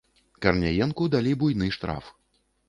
Карняенку далі буйны штраф.